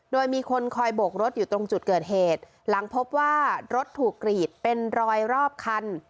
โดยมีคนคอยโบกรถอยู่ตรงจุดเกิดเหตุหลังพบว่ารถถูกกรีดเป็นรอยรอบคัน